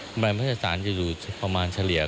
ประมาณประชาชนจะอยู่ประมาณเฉลี่ย